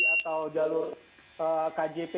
atau jalur kjp